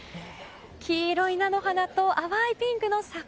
黄色い菜の花と淡いピンクの桜。